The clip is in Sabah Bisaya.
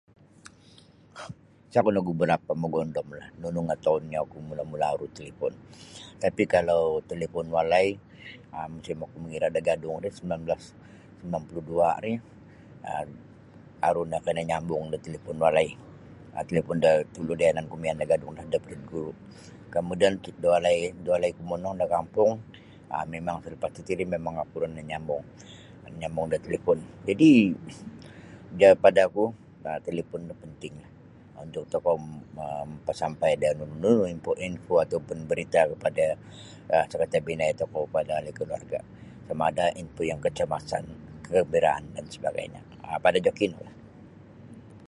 Isaku nogu barapa mogondomlah nunu nga tounnyo oku mula-mula aru talipon tapi kalau talipon walai um musim oku mangira da Gadong ri sambilan belas sambilan puluh dua ri um aru nio okoi nanyambung da talipon walai um talipon da tulu da yananku miyan da flat guru kemudian da walaiku monong da kampung um mimang salapas tatiri mimang okulah nanyamabung talipon jadi padaku talipon no panting untuk tokou mampasampai nunu nunu info atau pun barita pada sangkatabinai tokou atau ahli keluarga sama ada info yang kecemasan kegembiraan dan sebagainya pada joki inolah.